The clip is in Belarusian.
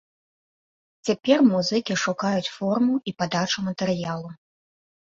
Цяпер музыкі шукаюць форму і падачу матэрыялу.